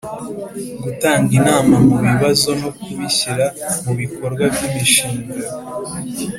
Gutanga inama mu bibazo no kubishyira mu bikorwa by’imishinga;